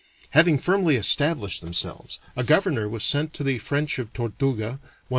Having firmly established themselves, a governor was sent to the French of Tortuga, one M.